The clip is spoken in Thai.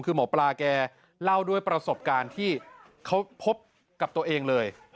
คือหมอปลาแกเล่าด้วยประสบการณ์ที่เขาพบกับตัวเองเลย